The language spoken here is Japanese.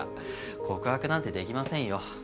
告白なんてできませんよ。